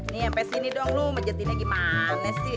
nih sampai sini dong lu majetin lagi panas sih